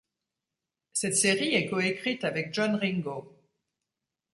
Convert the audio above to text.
Cette série est coécrite avec John Ringo.